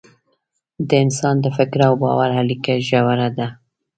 د انسان د فکر او باور اړیکه ژوره ده.